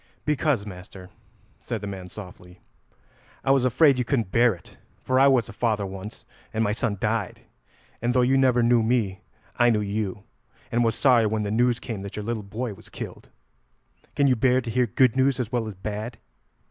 "Because, master," said the man softly, "I was afraid you couldn't bear it, for I was a father once and my son died, and though you never knew me, I knew you, and was sorry when the news came that your little boy was killed. Can you bear to hear good news as well as bad?"